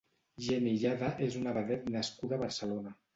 Jenny Llada és una vedet nascuda a Barcelona.